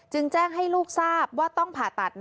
จึงแจ้งให้ลูกทราบว่า